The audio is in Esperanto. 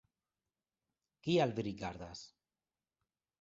Kial vi rigardas?